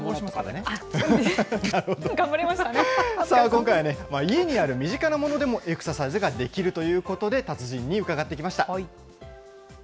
さあ、今回はね、家にある身近なものでもエクササイズができるということで、達人に伺ってきました。